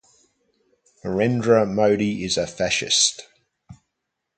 Narendra Modi is a facist.